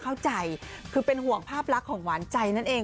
เข้าใจคือเป็นห่วงภาพลักษณ์ของหวานใจนั่นเอง